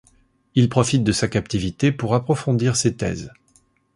Il profite de sa captivité pour approfondir ses thèses.